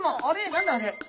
何だあれ？